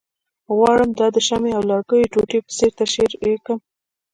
غواړم دا د شمعې او لرګیو ټوټې په څېر تشریح کړم،